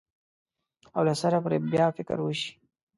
او له سره پرې بیا فکر وشي.